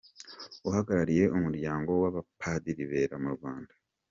Uhagarariye umuryango w’abapadiri Bera mu Rwanda